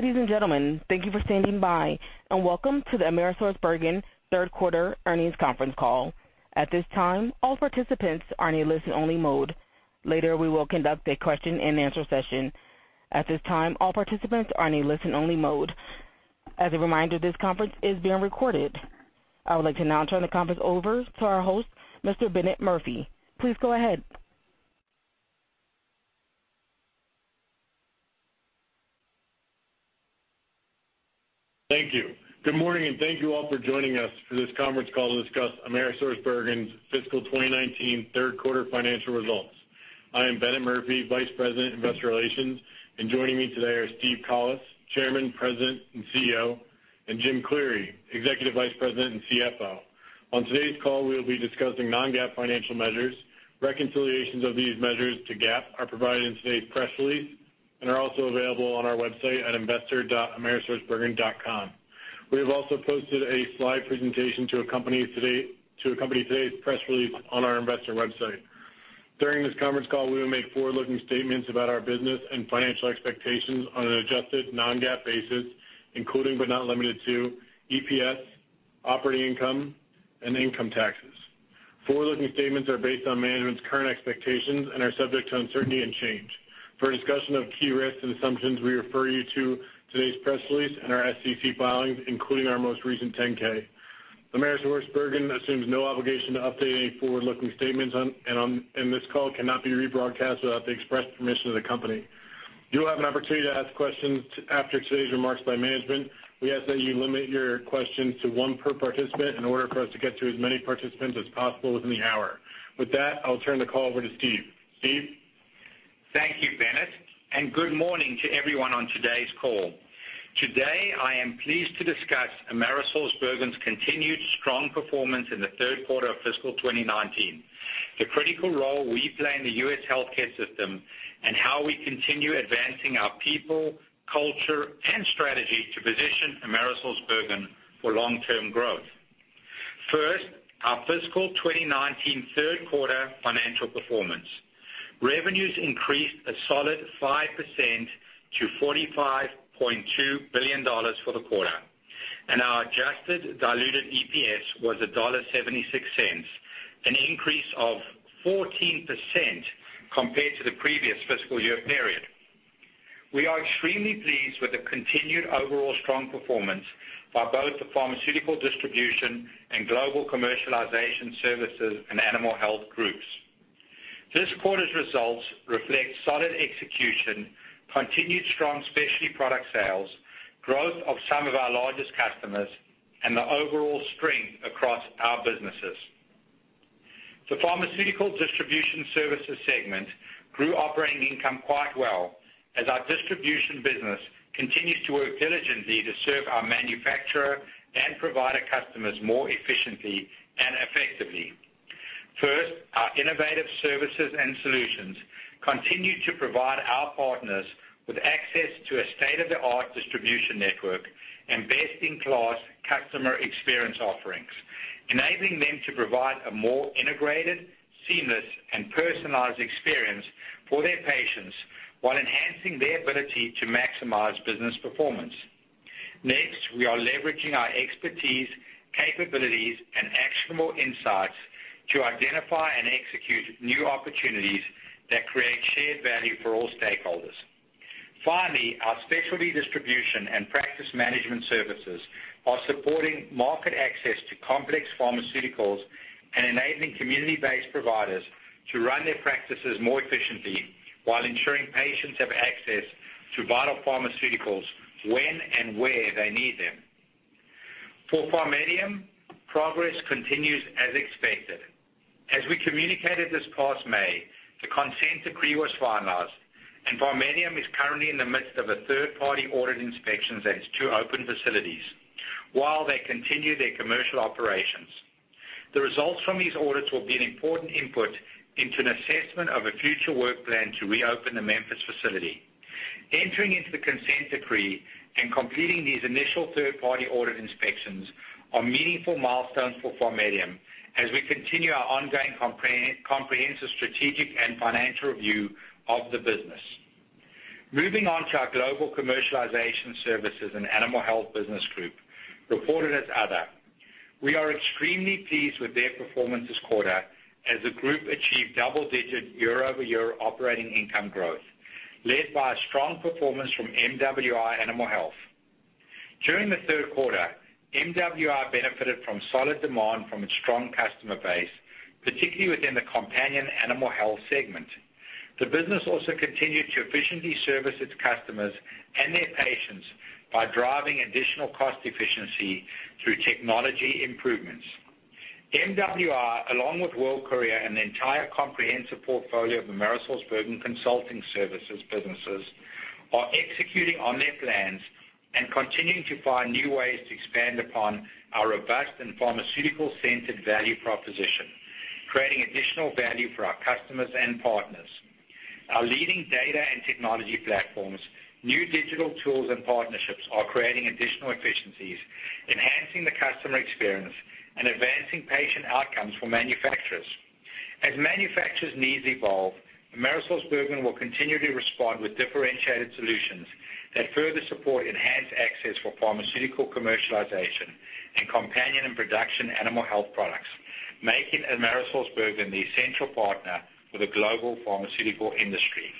Ladies and gentlemen, thank you for standing by, and welcome to the AmerisourceBergen third quarter earnings conference call. At this time, all participants are in a listen-only mode. Later, we will conduct a question-and-answer session. At this time, all participants are in a listen-only mode. As a reminder, this conference is being recorded. I would like to now turn the conference over to our host, Mr. Bennett Murphy. Please go ahead. Thank you. Good morning, and thank you all for joining us for this conference call to discuss AmerisourceBergen's fiscal 2019 third quarter financial results. I am Bennett Murphy, Vice President, Investor Relations, and joining me today are Steve Collis, Chairman, President, and CEO, and Jim Cleary, Executive Vice President and CFO. On today's call, we will be discussing non-GAAP financial measures. Reconciliations of these measures to GAAP are provided in today's press release and are also available on our website at investor.amerisourcebergen.com. We have also posted a slide presentation to accompany today's press release on our investor website. During this conference call, we will make forward-looking statements about our business and financial expectations on an adjusted non-GAAP basis, including but not limited to EPS, operating income, and income taxes. Forward-looking statements are based on management's current expectations and are subject to uncertainty and change. For a discussion of key risks and assumptions, we refer you to today's press release and our SEC filings, including our most recent 10-K. AmerisourceBergen assumes no obligation to update any forward-looking statements. This call cannot be rebroadcast without the express permission of the company. You'll have an opportunity to ask questions after today's remarks by management. We ask that you limit your questions to one per participant in order for us to get to as many participants as possible within the hour. With that, I'll turn the call over to Steve. Steve? Thank you, Bennett. Good morning to everyone on today's call. Today, I am pleased to discuss AmerisourceBergen's continued strong performance in the third quarter of fiscal 2019, the critical role we play in the U.S. healthcare system, and how we continue advancing our people, culture, and strategy to position AmerisourceBergen for long-term growth. First, our fiscal 2019 third quarter financial performance. Revenues increased a solid 5% to $45.2 billion for the quarter, and our adjusted diluted EPS was $1.76, an increase of 14% compared to the previous fiscal year period. We are extremely pleased with the continued overall strong performance by both the Pharmaceutical Distribution and Global Commercialization Services and Animal Health groups. This quarter's results reflect solid execution, continued strong specialty product sales, growth of some of our largest customers, and the overall strength across our businesses. The Pharmaceutical Distribution Services segment grew operating income quite well as our distribution business continues to work diligently to serve our manufacturer and provider customers more efficiently and effectively. First, our innovative services and solutions continue to provide our partners with access to a state-of-the-art distribution network and best-in-class customer experience offerings, enabling them to provide a more integrated, seamless, and personalized experience for their patients while enhancing their ability to maximize business performance. Next, we are leveraging our expertise, capabilities, and actionable insights to identify and execute new opportunities that create shared value for all stakeholders. Finally, our specialty distribution and practice management services are supporting market access to complex pharmaceuticals and enabling community-based providers to run their practices more efficiently while ensuring patients have access to vital pharmaceuticals when and where they need them. For PharMEDium, progress continues as expected. As we communicated this past May, the consent decree was finalized, and PharMEDium is currently in the midst of third-party audit inspections at its two open facilities while they continue their commercial operations. The results from these audits will be an important input into an assessment of a future work plan to reopen the Memphis facility. Entering into the consent decree and completing these initial third-party audit inspections are meaningful milestones for PharMEDium as we continue our ongoing comprehensive strategic and financial review of the business. Moving on to our Global Commercialization Services and Animal Health business group, reported as Other. We are extremely pleased with their performance this quarter as the group achieved double-digit year-over-year Operating Income growth, led by a strong performance from MWI Animal Health. During the third quarter, MWI benefited from solid demand from its strong customer base, particularly within the companion animal health segment. The business also continued to efficiently service its customers and their patients by driving additional cost efficiency through technology improvements. MWI, along with World Courier and the entire comprehensive portfolio of AmerisourceBergen Consulting Services businesses, are executing on their plans and continuing to find new ways to expand upon our robust and pharmaceutical-centered value proposition, creating additional value for our customers and partners. Our leading data and technology platforms, new digital tools, and partnerships are creating additional efficiencies, enhancing the customer experience, and advancing patient outcomes for manufacturers. As manufacturers' needs evolve, AmerisourceBergen will continually respond with differentiated solutions that further support enhanced access for pharmaceutical commercialization and companion and production animal health products, making AmerisourceBergen the essential partner for the global pharmaceutical industry.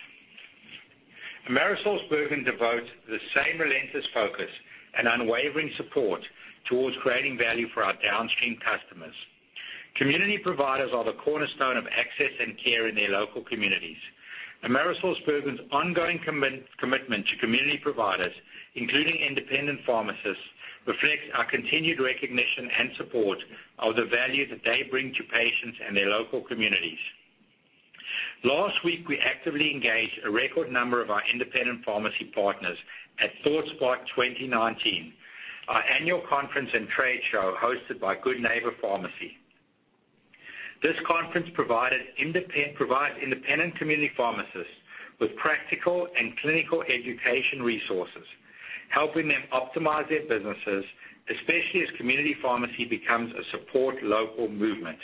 AmerisourceBergen devotes the same relentless focus and unwavering support towards creating value for our downstream customers. Community providers are the cornerstone of access and care in their local communities. AmerisourceBergen's ongoing commitment to community providers, including independent pharmacists, reflects our continued recognition and support of the value that they bring to patients and their local communities. Last week, we actively engaged a record number of our independent pharmacy partners at ThoughtSpot 2019, our annual conference and trade show hosted by Good Neighbor Pharmacy. This conference provided independent community pharmacists with practical and clinical education resources, helping them optimize their businesses, especially as community pharmacy becomes a support local movement.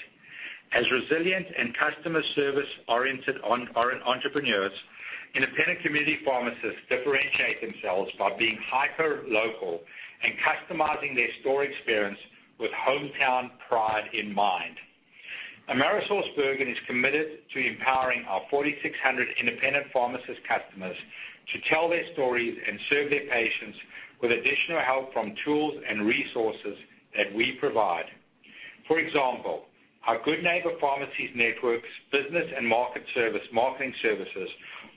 As resilient and customer service-oriented entrepreneurs, independent community pharmacists differentiate themselves by being hyper-local and customizing their store experience with hometown pride in mind. AmerisourceBergen is committed to empowering our 4,600 independent pharmacist customers to tell their stories and serve their patients with additional help from tools and resources that we provide. For example, our Good Neighbor Pharmacy network's business and marketing services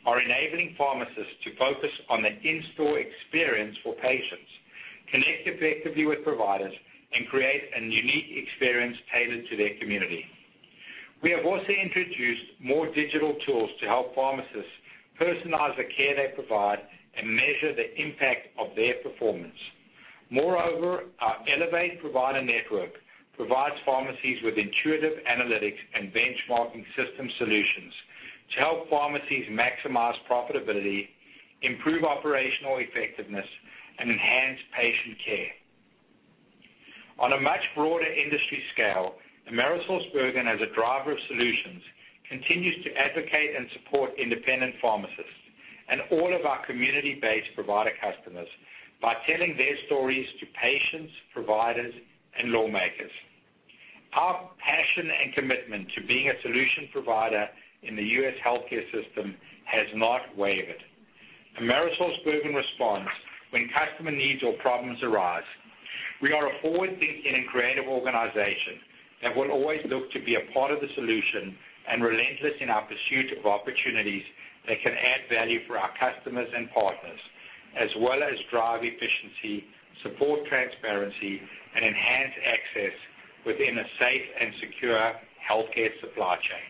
are enabling pharmacists to focus on the in-store experience for patients, connect effectively with providers, and create a unique experience tailored to their community. We have also introduced more digital tools to help pharmacists personalize the care they provide and measure the impact of their performance. Moreover, our Elevate Provider Network provides pharmacies with intuitive analytics and benchmarking system solutions to help pharmacies maximize profitability, improve operational effectiveness, and enhance patient care. On a much broader industry scale, AmerisourceBergen, as a driver of solutions, continues to advocate and support independent pharmacists and all of our community-based provider customers by telling their stories to patients, providers, and lawmakers. Our passion and commitment to being a solution provider in the U.S. healthcare system has not wavered. AmerisourceBergen responds when customer needs or problems arise. We are a forward-thinking and creative organization that will always look to be a part of the solution and relentless in our pursuit of opportunities that can add value for our customers and partners, as well as drive efficiency, support transparency, and enhance access within a safe and secure healthcare supply chain.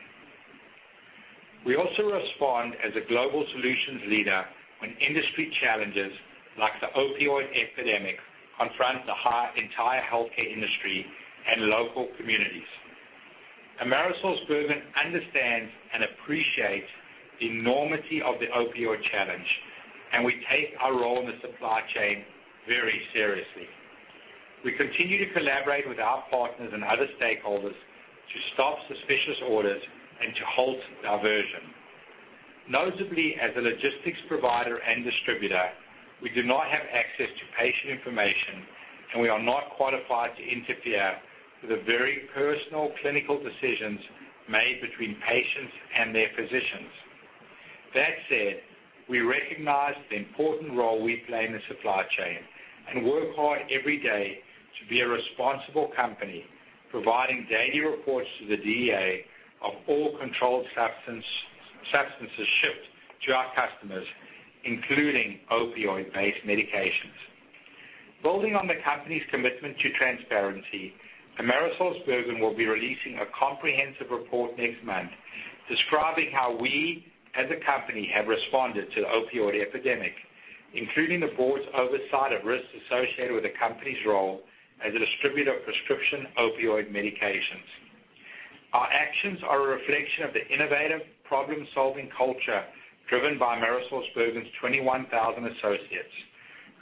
We also respond as a global solutions leader when industry challenges like the opioid epidemic confront the entire healthcare industry and local communities. AmerisourceBergen understands and appreciates the enormity of the opioid challenge, and we take our role in the supply chain very seriously. We continue to collaborate with our partners and other stakeholders to stop suspicious orders and to halt diversion. Notably, as a logistics provider and distributor, we do not have access to patient information, and we are not qualified to interfere with the very personal clinical decisions made between patients and their physicians. That said, we recognize the important role we play in the supply chain and work hard every day to be a responsible company, providing daily reports to the DEA of all controlled substances shipped to our customers, including opioid-based medications. Building on the company's commitment to transparency, AmerisourceBergen will be releasing a comprehensive report next month describing how we as a company have responded to the opioid epidemic, including the board's oversight of risks associated with the company's role as a distributor of prescription opioid medications. Our actions are a reflection of the innovative problem-solving culture driven by AmerisourceBergen's 21,000 associates,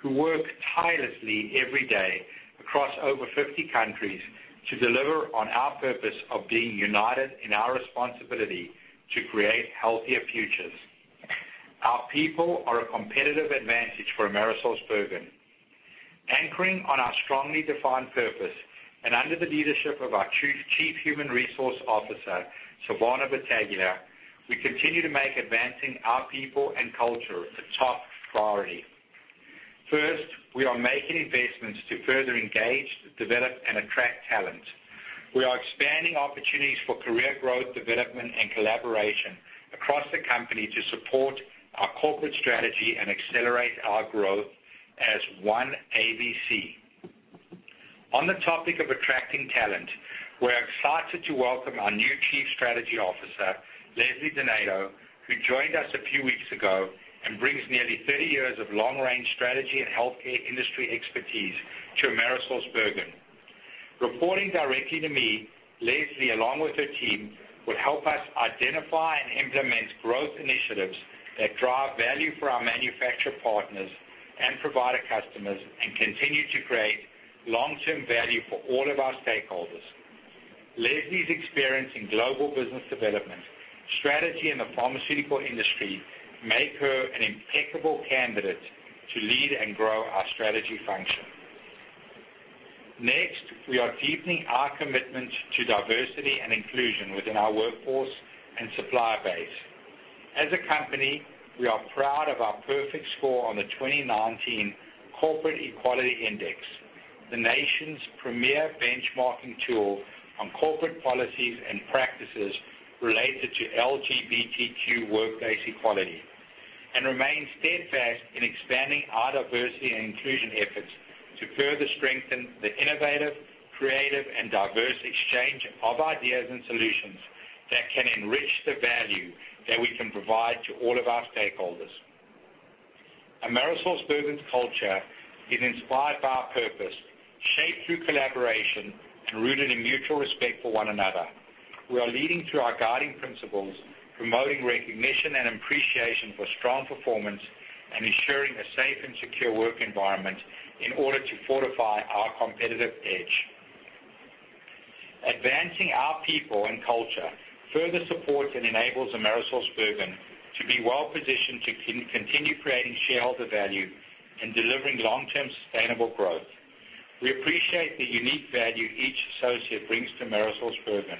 who work tirelessly every day across over 50 countries to deliver on our purpose of being united in our responsibility to create healthier futures. Our people are a competitive advantage for AmerisourceBergen. Anchoring on our strongly defined purpose and under the leadership of our Chief Human Resources Officer, Silvana Battaglia, we continue to make advancing our people and culture a top priority. First, we are making investments to further engage, develop, and attract talent. We are expanding opportunities for career growth, development, and collaboration across the company to support our corporate strategy and accelerate our growth as OneABC. On the topic of attracting talent, we're excited to welcome our new Chief Strategy Officer, Leslie Donato, who joined us a few weeks ago and brings nearly 30 years of long-range strategy and healthcare industry expertise to AmerisourceBergen. Reporting directly to me, Leslie, along with her team, will help us identify and implement growth initiatives that drive value for our manufacturer partners and provider customers and continue to create long-term value for all of our stakeholders. Leslie's experience in global business development, strategy in the pharmaceutical industry make her an impeccable candidate to lead and grow our strategy function. Next, we are deepening our commitment to diversity and inclusion within our workforce and supplier base. As a company, we are proud of our perfect score on the 2019 Corporate Equality Index, the nation's premier benchmarking tool on corporate policies and practices related to LGBTQ workplace equality, and remain steadfast in expanding our diversity and inclusion efforts to further strengthen the innovative, creative, and diverse exchange of ideas and solutions that can enrich the value that we can provide to all of our stakeholders. AmerisourceBergen's culture is inspired by our purpose, shaped through collaboration, and rooted in mutual respect for one another. We are leading through our guiding principles, promoting recognition and appreciation for strong performance, and ensuring a safe and secure work environment in order to fortify our competitive edge. Advancing our people and culture further supports and enables AmerisourceBergen to be well-positioned to continue creating shareholder value and delivering long-term sustainable growth. We appreciate the unique value each associate brings to AmerisourceBergen,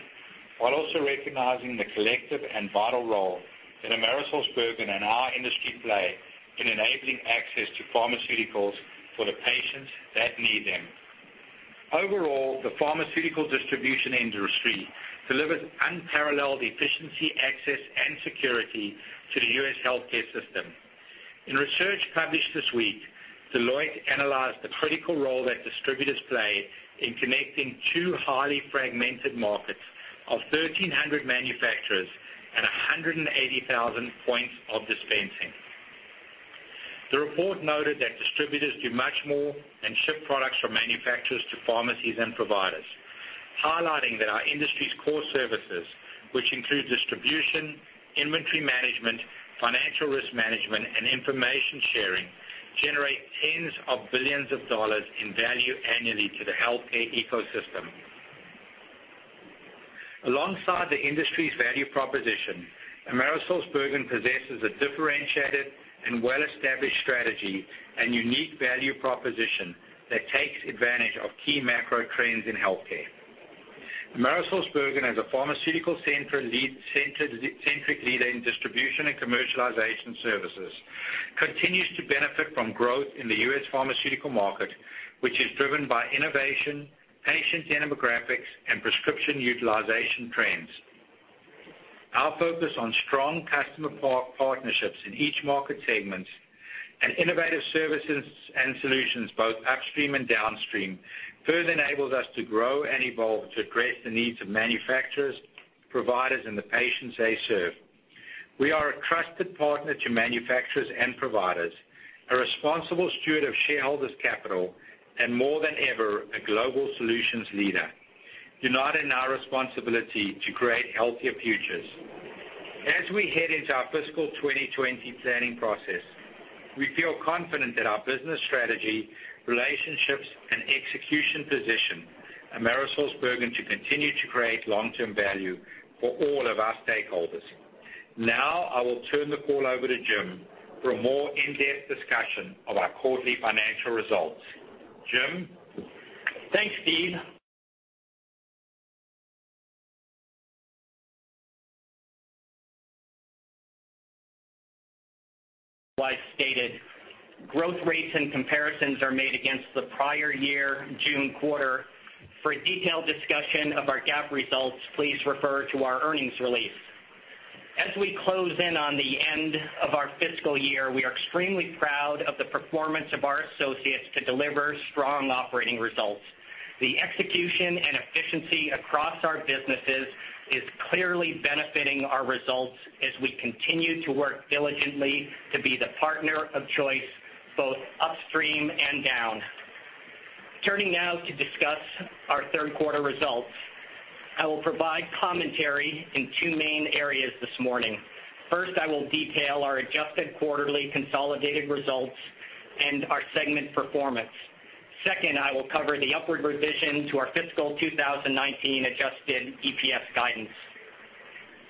while also recognizing the collective and vital role that AmerisourceBergen and our industry play in enabling access to pharmaceuticals for the patients that need them. Overall, the pharmaceutical distribution industry delivers unparalleled efficiency, access, and security to the U.S. healthcare system. In research published this week, Deloitte analyzed the critical role that distributors play in connecting two highly fragmented markets of 1,300 manufacturers and 180,000 points of dispensing. The report noted that distributors do much more than ship products from manufacturers to pharmacies and providers, highlighting that our industry's core services, which include distribution, inventory management, financial risk management, and information sharing, generate tens of billions of dollars in value annually to the healthcare ecosystem. Alongside the industry's value proposition, AmerisourceBergen possesses a differentiated and well-established strategy and unique value proposition that takes advantage of key macro trends in healthcare. AmerisourceBergen, as a pharmaceutical centric leader in distribution and commercialization services, continues to benefit from growth in the U.S. pharmaceutical market, which is driven by innovation, patient demographics, and prescription utilization trends. Our focus on strong customer partnerships in each market segment and innovative services and solutions, both upstream and downstream, further enables us to grow and evolve to address the needs of manufacturers, providers, and the patients they serve. We are a trusted partner to manufacturers and providers, a responsible steward of shareholders' capital, and more than ever, a global solutions leader, united in our responsibility to create healthier futures. As we head into our fiscal 2020 planning process, we feel confident that our business strategy, relationships, and execution position AmerisourceBergen to continue to create long-term value for all of our stakeholders. Now, I will turn the call over to Jim for a more in-depth discussion of our quarterly financial results. Jim? Thanks, Steve. As stated, growth rates and comparisons are made against the prior year June quarter. For a detailed discussion of our GAAP results, please refer to our earnings release. As we close in on the end of our fiscal year, we are extremely proud of the performance of our associates to deliver strong operating results. The execution and efficiency across our businesses is clearly benefiting our results as we continue to work diligently to be the partner of choice, both upstream and down. Turning now to discuss our third quarter results, I will provide commentary in two main areas this morning. First, I will detail our adjusted quarterly consolidated results and our segment performance. Second, I will cover the upward revision to our fiscal 2019 adjusted EPS guidance.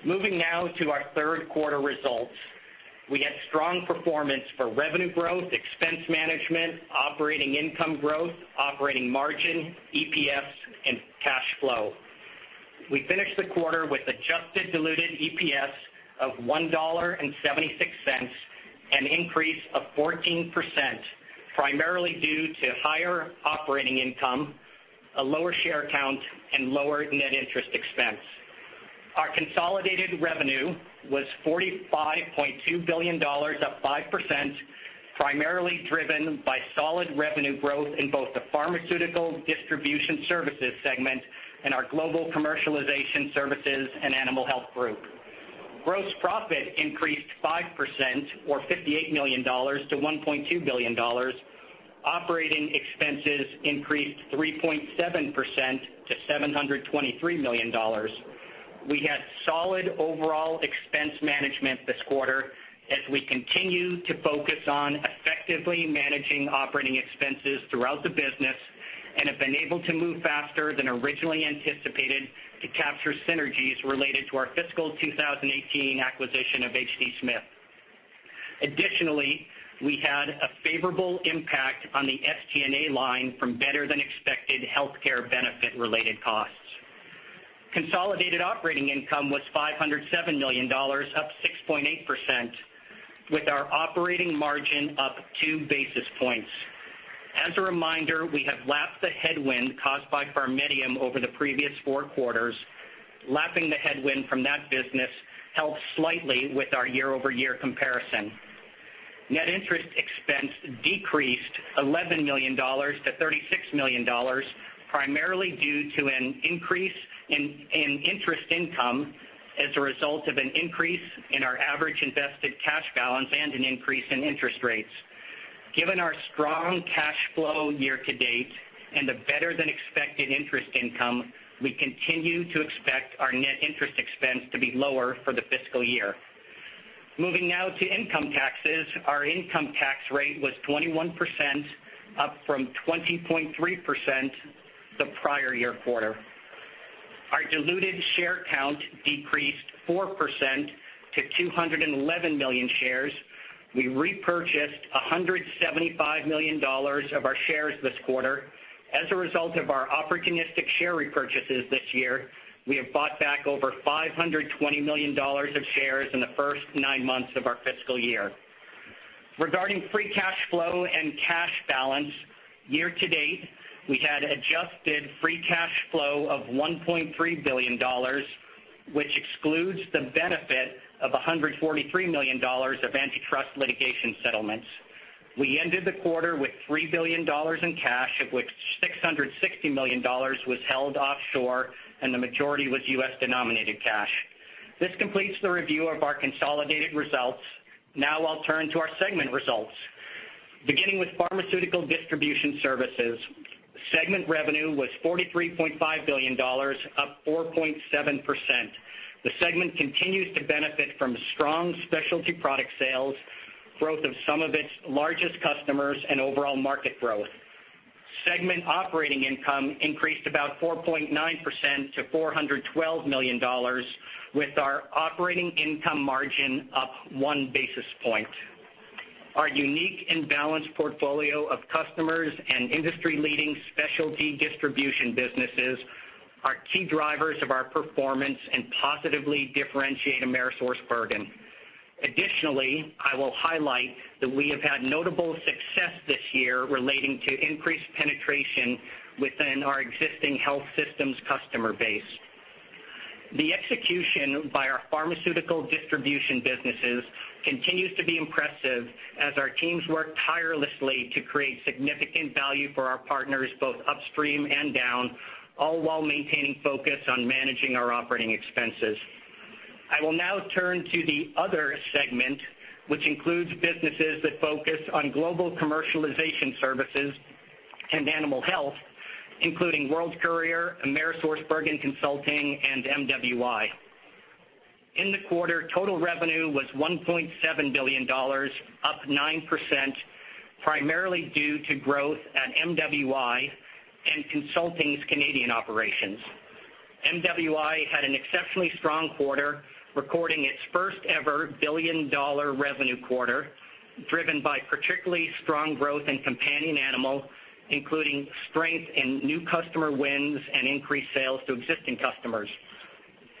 Moving now to our third quarter results. We had strong performance for revenue growth, expense management, Operating Income growth, Operating margin, EPS, and cash flow. We finished the quarter with adjusted diluted EPS of $1.76, an increase of 14%, primarily due to higher Operating Income, a lower share count, and lower net interest expense. Our consolidated revenue was $45.2 billion, up 5%, primarily driven by solid revenue growth in both the Pharmaceutical Distribution Services segment and our Global Commercialization Services and Animal Health group. Gross profit increased 5%, or $58 million, to $1.2 billion. Operating expenses increased 3.7% to $723 million. We had solid overall expense management this quarter as we continue to focus on effectively managing operating expenses throughout the business and have been able to move faster than originally anticipated to capture synergies related to our fiscal 2018 acquisition of H.D. Smith. Additionally, we had a favorable impact on the SG&A line from better than expected healthcare benefit related costs. Consolidated Operating Income was $507 million, up 6.8%, with our operating margin up two basis points. As a reminder, we have lapped the headwind caused by PharMEDium over the previous four quarters. Lapping the headwind from that business helped slightly with our year-over-year comparison. Net interest expense decreased $11 million to $36 million, primarily due to an increase in interest income as a result of an increase in our average invested cash balance and an increase in interest rates. Given our strong cash flow year to date and the better than expected interest income, we continue to expect our net interest expense to be lower for the fiscal year. Moving now to income taxes. Our income tax rate was 21%, up from 20.3% the prior year quarter. Our diluted share count decreased 4% to 211 million shares. We repurchased $175 million of our shares this quarter. As a result of our opportunistic share repurchases this year, we have bought back over $520 million of shares in the first nine months of our fiscal year. Regarding free cash flow and cash balance, year to date, we had adjusted free cash flow of $1.3 billion, which excludes the benefit of $143 million of antitrust litigation settlements. We ended the quarter with $3 billion in cash, of which $660 million was held offshore, and the majority was U.S. denominated cash. This completes the review of our consolidated results. I'll turn to our segment results. Beginning with Pharmaceutical Distribution Services, segment revenue was $43.5 billion, up 4.7%. The segment continues to benefit from strong specialty product sales, growth of some of its largest customers, and overall market growth. Segment Operating Income increased about 4.9% to $412 million, with our Operating Income margin up one basis point. Our unique and balanced portfolio of customers and industry leading specialty distribution businesses are key drivers of our performance and positively differentiate AmerisourceBergen. Additionally, I will highlight that we have had notable success this year relating to increased penetration within our existing health systems customer base. The execution by our pharmaceutical distribution businesses continues to be impressive as our teams work tirelessly to create significant value for our partners, both upstream and down, all while maintaining focus on managing our operating expenses. I will now turn to the Other segment, which includes businesses that focus on Global Commercialization Services and Animal Health, including World Courier, AmerisourceBergen Consulting, and MWI. In the quarter, total revenue was $1.7 billion, up 9%, primarily due to growth at MWI and Consulting's Canadian operations. MWI had an exceptionally strong quarter, recording its first ever billion-dollar revenue quarter, driven by particularly strong growth in companion animal, including strength in new customer wins and increased sales to existing customers.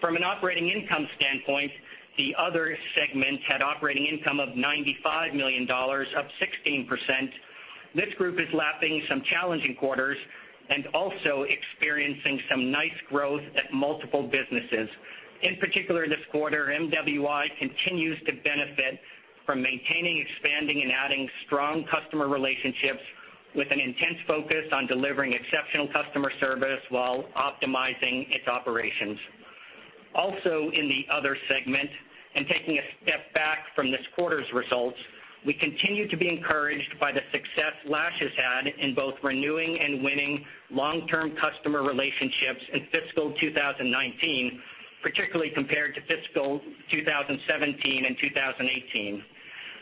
From an operating income standpoint, the Other segment had Operating Income of $95 million, up 16%. This group is lapping some challenging quarters and also experiencing some nice growth at multiple businesses. In particular, this quarter, MWI continues to benefit from maintaining, expanding, and adding strong customer relationships with an intense focus on delivering exceptional customer service while optimizing its operations. Also in the Other segment, taking a step back from this quarter's results, we continue to be encouraged by the success Lash has had in both renewing and winning long-term customer relationships in fiscal 2019, particularly compared to fiscal 2017 and 2018.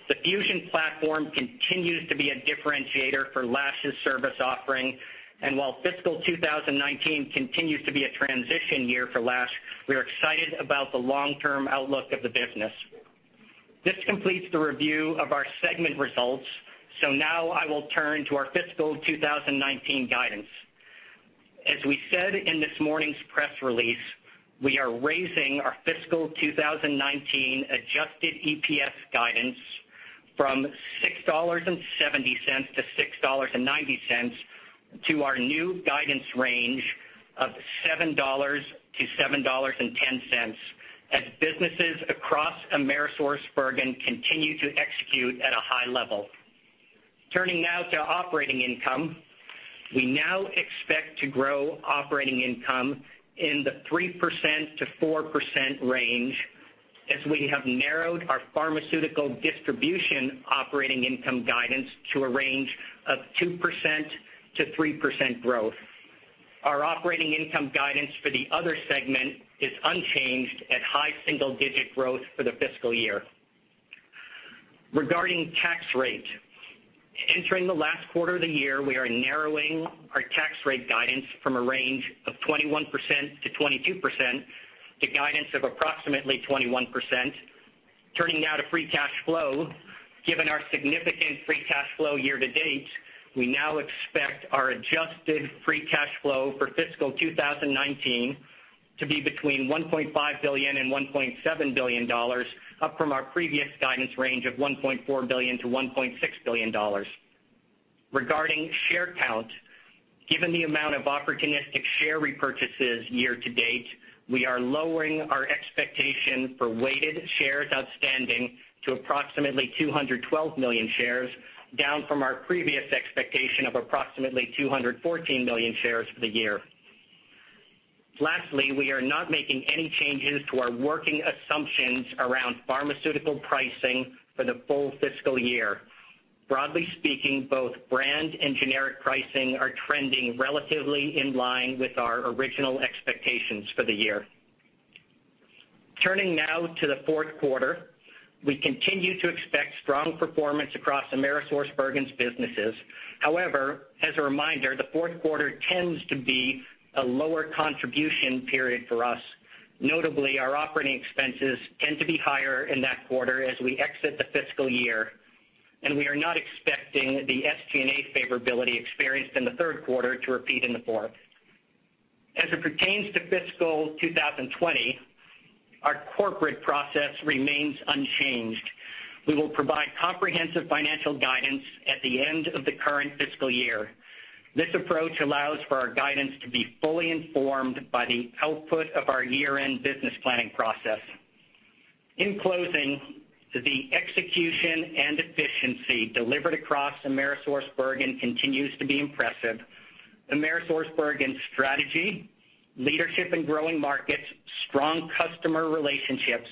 The Fusion platform continues to be a differentiator for Lash's service offering, and while fiscal 2019 continues to be a transition year for Lash, we're excited about the long-term outlook of the business. This completes the review of our segment results. Now I will turn to our fiscal 2019 guidance. As we said in this morning's press release, we are raising our fiscal 2019 adjusted EPS guidance from $6.70-$6.90 to our new guidance range of $7-$7.10 as businesses across AmerisourceBergen continue to execute at a high level. Turning now to operating income. We now expect to grow operating income in the 3%-4% range as we have narrowed our Pharmaceutical Distribution Services operating income guidance to a range of 2%-3% growth. Our operating income guidance for the other segment is unchanged at high single-digit growth for the fiscal year. Regarding tax rate, entering the last quarter of the year, we are narrowing our tax rate guidance from a range of 21%-22% to guidance of approximately 21%. Turning now to free cash flow, given our significant free cash flow year to date, we now expect our adjusted free cash flow for fiscal 2019 to be between $1.5 billion and $1.7 billion, up from our previous guidance range of $1.4 billion-$1.6 billion. Regarding share count, given the amount of opportunistic share repurchases year to date, we are lowering our expectation for weighted shares outstanding to approximately 212 million shares, down from our previous expectation of approximately 214 million shares for the year. Lastly, we are not making any changes to our working assumptions around pharmaceutical pricing for the full fiscal year. Broadly speaking, both brand and generic pricing are trending relatively in line with our original expectations for the year. Turning now to the fourth quarter, we continue to expect strong performance across AmerisourceBergen's businesses. As a reminder, the fourth quarter tends to be a lower contribution period for us. Notably, our operating expenses tend to be higher in that quarter as we exit the fiscal year. We are not expecting the SG&A favorability experienced in the third quarter to repeat in the fourth. As it pertains to fiscal 2020, our corporate process remains unchanged. We will provide comprehensive financial guidance at the end of the current fiscal year. This approach allows for our guidance to be fully informed by the output of our year-end business planning process. In closing, the execution and efficiency delivered across AmerisourceBergen continues to be impressive. AmerisourceBergen's strategy, leadership in growing markets, strong customer relationships,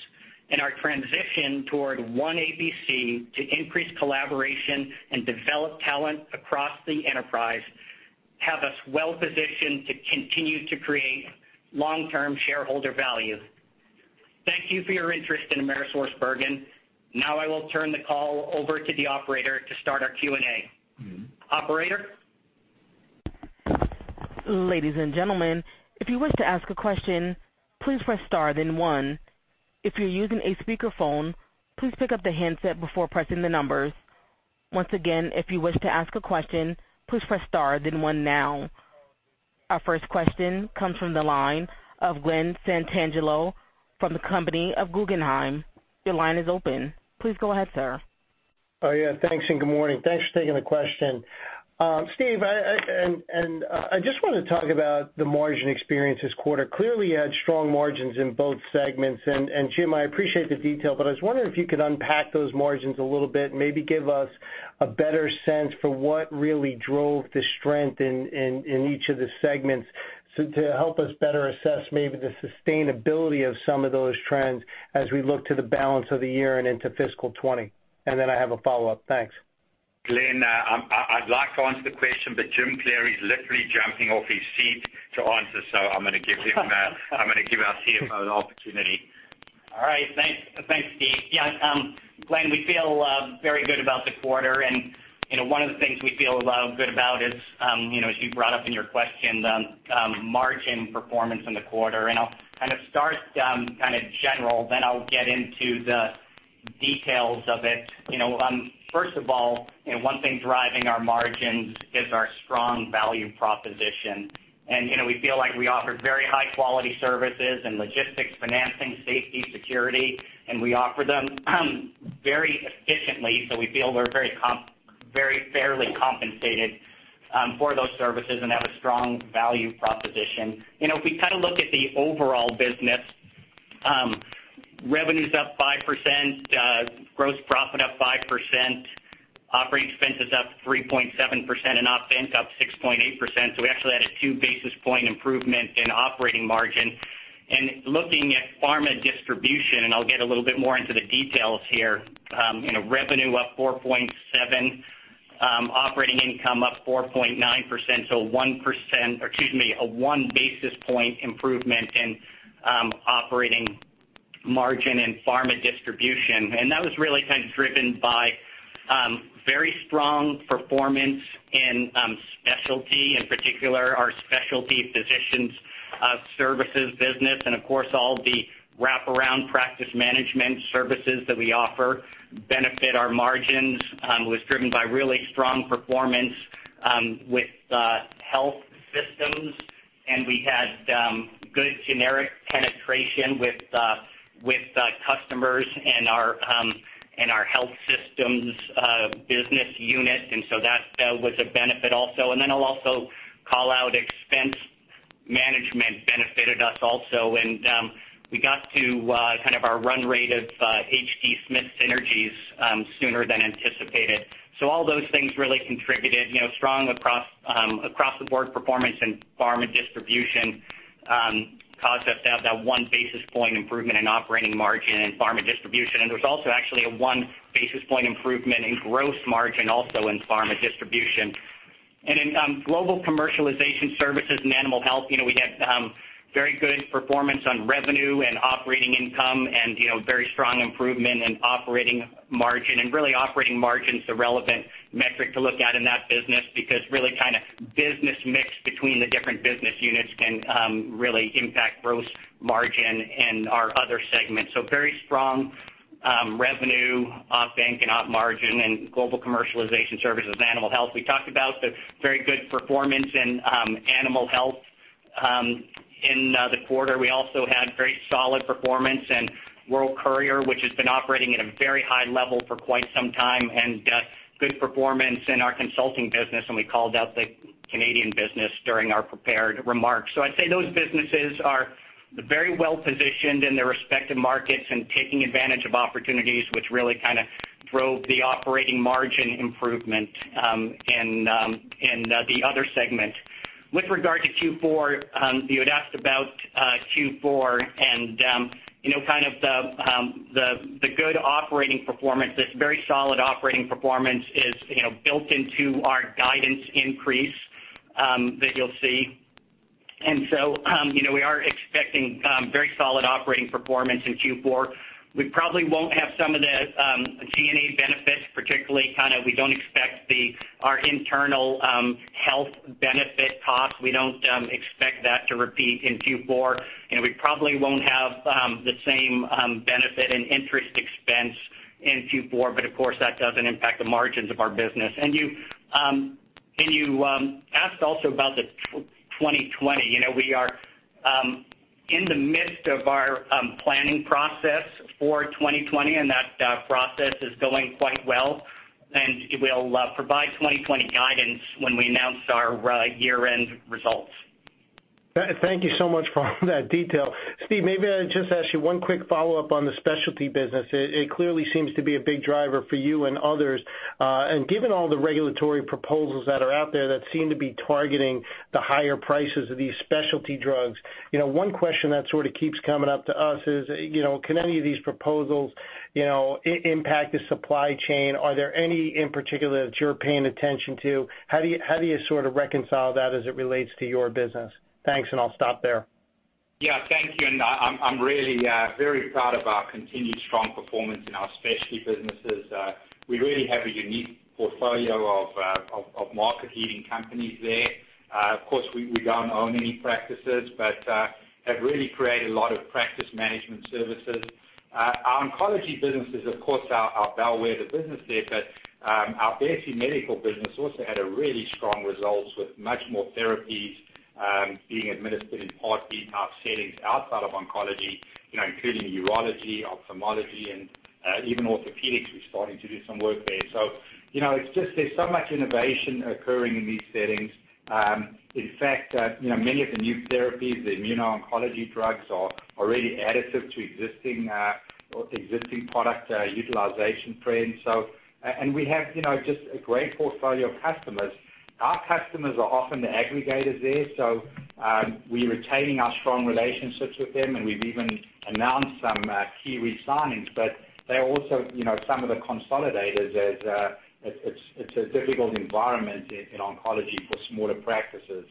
and our transition toward One ABC to increase collaboration and develop talent across the enterprise have us well positioned to continue to create long-term shareholder value. Thank you for your interest in AmerisourceBergen. I will turn the call over to the operator to start our Q&A. Operator? Ladies and gentlemen, if you wish to ask a question, please press star then one. If you're using a speakerphone, please pick up the handset before pressing the numbers. Once again, if you wish to ask a question, please press star then one now. Our first question comes from the line of Glen Santangelo from the company of Guggenheim. Your line is open. Please go ahead, sir. Oh, yeah. Thanks and good morning. Thanks for taking the question. Steve, I just want to talk about the margin experience this quarter. Clearly, you had strong margins in both segments. Jim, I appreciate the detail, but I was wondering if you could unpack those margins a little bit, maybe give us a better sense for what really drove the strength in each of the segments to help us better assess maybe the sustainability of some of those trends as we look to the balance of the year and into fiscal 2020. Then I have a follow-up. Thanks. Glen, I'd like to answer the question, but Jim Cleary is literally jumping off his seat to answer. I'm going to give our CFO the opportunity. All right. Thanks, Steve. Yeah, Glen, we feel very good about the quarter, one of the things we feel good about is, as you brought up in your question, the margin performance in the quarter. I'll start general, then I'll get into the details of it. First of all, one thing driving our margins is our strong value proposition. We feel like we offer very high-quality services in logistics, financing, safety, security, and we offer them very efficiently. We feel we're very fairly compensated for those services and have a strong value proposition. If we look at the overall business, revenue's up 5%, gross profit up 5%, operating expenses up 3.7%, and op expense up 6.8%, so we actually had a two basis point improvement in operating margin. Looking at pharma distribution, and I'll get a little bit more into the details here, revenue up 4.7%, operating income up 4.9%. 1% or, excuse me, a one basis point improvement in operating margin in pharma distribution. That was really driven by very strong performance in specialty, in particular our specialty physicians services business. Of course, all the wraparound practice management services that we offer benefit our margins. Was driven by really strong performance with health systems, and we had good generic penetration with customers in our health systems business unit, and so that was a benefit also. Then I'll also call out expense management benefited us also, and we got to our run rate of H.D. Smith synergies sooner than anticipated. All those things really contributed strong across-the-board performance in Pharma Distribution, caused us to have that one basis point improvement in operating margin in Pharma Distribution. There was also actually a one basis point improvement in gross margin also in Pharma Distribution. In Global Commercialization Services and Animal Health, we had very good performance on revenue and Operating Income and very strong improvement in operating margin. Really, operating margin's the relevant metric to look at in that business, because really business mix between the different business units can really impact gross margin in our other segments. Very strong revenue, Op Inc. and Op margin in Global Commercialization Services, Animal Health. We talked about the very good performance in animal health in the quarter. We also had very solid performance in World Courier, which has been operating at a very high level for quite some time, and good performance in our consulting business, and we called out the Canadian business during our prepared remarks. I'd say those businesses are very well-positioned in their respective markets and taking advantage of opportunities, which really drove the operating margin improvement in the other segment. With regard to Q4, you had asked about Q4 and the good operating performance. This very solid operating performance is built into our guidance increase that you'll see. We are expecting very solid operating performance in Q4. We probably won't have some of the G&A benefits, particularly, we don't expect our internal health benefit costs, we don't expect that to repeat in Q4. We probably won't have the same benefit in interest expense in Q4. Of course, that doesn't impact the margins of our business. You asked also about the 2020. We are in the midst of our planning process for 2020. That process is going quite well. We'll provide 2020 guidance when we announce our year-end results. Thank you so much for all that detail. Steve, maybe I'll just ask you one quick follow-up on the specialty business. It clearly seems to be a big driver for you and others. Given all the regulatory proposals that are out there that seem to be targeting the higher prices of these specialty drugs, one question that sort of keeps coming up to us is, can any of these proposals impact the supply chain? Are there any in particular that you're paying attention to? How do you sort of reconcile that as it relates to your business? Thanks, I'll stop there. Yeah. Thank you. I'm really very proud of our continued strong performance in our specialty businesses. We really have a unique portfolio of market-leading companies there. Of course, we don't own any practices, but have really created a lot of practice management services. Our oncology businesses, of course, are well aware of the business there, but our basic medical business also had really strong results with much more therapies being administered in Part B settings outside of oncology, including urology, ophthalmology, and even orthopedics, we're starting to do some work there. There's so much innovation occurring in these settings. In fact, many of the new therapies, the immuno-oncology drugs are really additive to existing product utilization trends. We have just a great portfolio of customers. Our customers are often the aggregators there, we're retaining our strong relationships with them, and we've even announced some key re-signings. They're also some of the consolidators as it's a difficult environment in oncology for smaller practices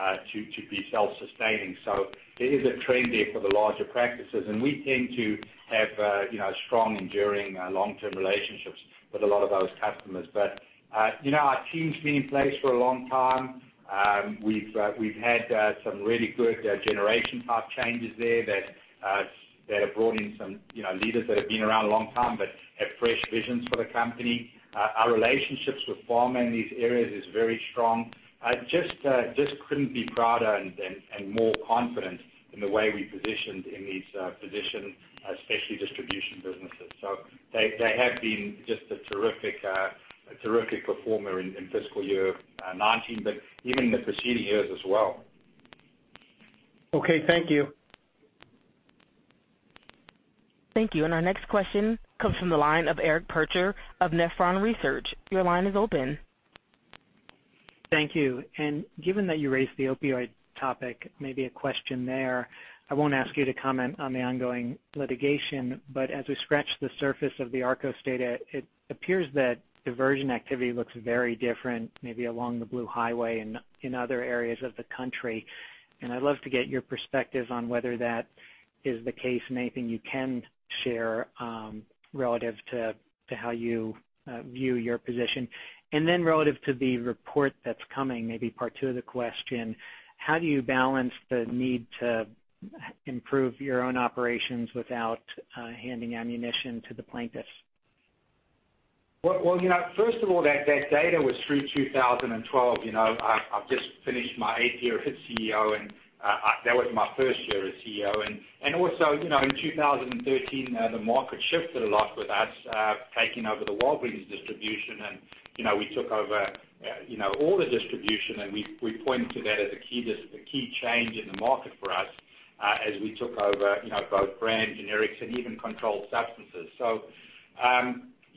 to be self-sustaining. There is a trend there for the larger practices. We tend to have strong, enduring, long-term relationships with a lot of those customers. Our team's been in place for a long time. We've had some really good generation type changes there that have brought in some leaders that have been around a long time but have fresh visions for the company. Our relationships with pharma in these areas is very strong. I just couldn't be prouder and more confident in the way we positioned in these positions, especially distribution businesses. They have been just a terrific performer in fiscal year 2019, but even the preceding years as well. Okay. Thank you. Thank you. Our next question comes from the line of Eric Percher of Nephron Research. Your line is open. Thank you. Given that you raised the opioid topic, maybe a question there. I won't ask you to comment on the ongoing litigation, but as we scratch the surface of the ARCOS data, it appears that diversion activity looks very different, maybe along the Blue Highway and in other areas of the country. I'd love to get your perspective on whether that is the case and anything you can share relative to how you view your position. Then relative to the report that's coming, maybe part two of the question, how do you balance the need to improve your own operations without handing ammunition to the plaintiffs? Well, first of all, that data was through 2012. I've just finished my eighth year as CEO, and that was my first year as CEO. Also, in 2013, the market shifted a lot with us, taking over the Walgreens distribution, and we took over all the distribution, and we pointed to that as the key change in the market for us as we took over both brand generics and even controlled substances.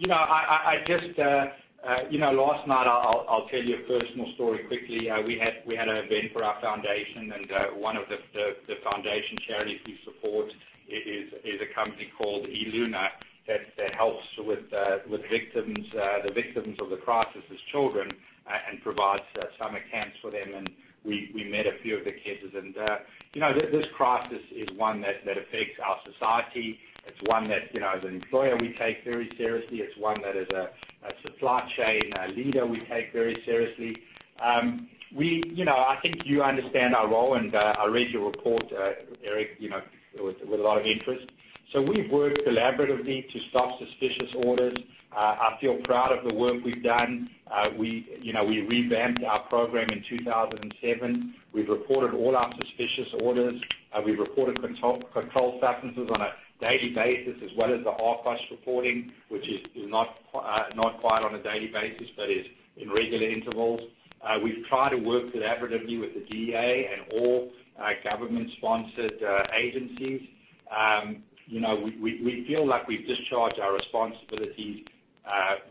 Last night, I'll tell you a personal story quickly. We had an event for our foundation, and one of the foundation charities we support is a company called Eluna that helps with the victims of the crisis as children and provides summer camps for them, and we met a few of the kids. This crisis is one that affects our society. It's one that, as an employer, we take very seriously. It's one that as a supply chain leader, we take very seriously. I think you understand our role, and I read your report, Eric, with a lot of interest. We've worked collaboratively to stop suspicious orders. I feel proud of the work we've done. We revamped our program in 2007. We've reported all our suspicious orders. We've reported controlled substances on a daily basis, as well as the ARCOS reporting, which is not quite on a daily basis, but is in regular intervals. We've tried to work collaboratively with the DEA and all government-sponsored agencies. We feel like we've discharged our responsibilities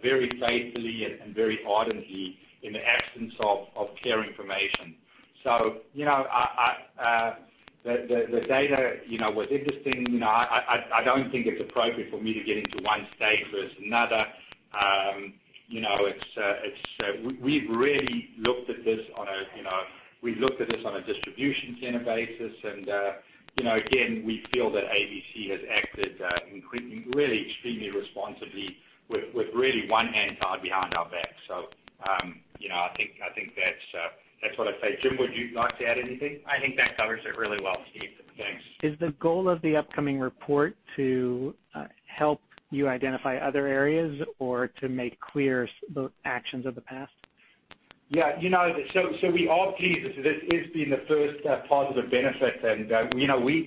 very faithfully and very ardently in the absence of clear information. The data was interesting. I don't think it's appropriate for me to get into one state versus another. We've really looked at this on a distribution center basis and again, we feel that ABC has acted really extremely responsibly with really one hand tied behind our back. I think that's what I'd say. Jim, would you like to add anything? I think that covers it really well, Steve. Thanks. Is the goal of the upcoming report to help you identify other areas or to make clear the actions of the past? Yeah. We are pleased. This has been the first positive benefit, and